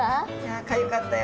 「ああかゆかったよ。